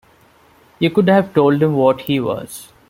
You could have told him what he was.